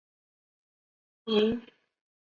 无芒羊茅为禾本科羊茅属下的一个种。